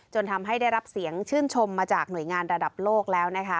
ทำให้ได้รับเสียงชื่นชมมาจากหน่วยงานระดับโลกแล้วนะคะ